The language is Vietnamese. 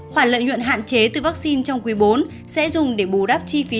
khoản lợi nhuận hạn chế từ vaccine trong quý bốn sẽ dùng để bù đắp chi phí